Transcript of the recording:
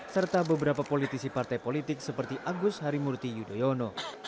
serta beberapa politisi partai politik seperti agus harimurti yudhoyono